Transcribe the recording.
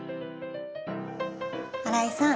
新井さん